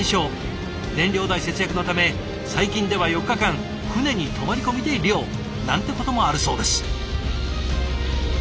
燃料代節約のため最近では４日間船に泊まり込みで漁なんてこともあるそうです。